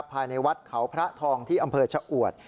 ภายในวัดเขาพระทองที่อำเภอชะอวด